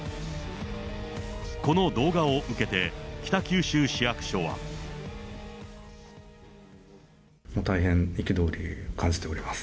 この動画を受けて、北九州市役所は。大変、憤りを感じております。